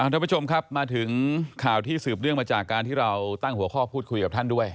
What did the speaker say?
ทั้งประชงมาถึงข่าวสืบเรื่องมาจากการที่เราตั้งหัวข้อพูดคุยกับท่านด้วย